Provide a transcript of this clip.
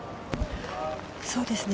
そうですね。